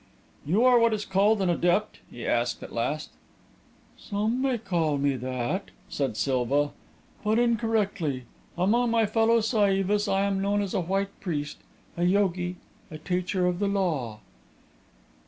"You are what is called an adept?" he asked, at last. "Some may call me that," said Silva, "but incorrectly. Among my fellow Saivas, I am known as a White Priest, a yogi, a teacher of the law."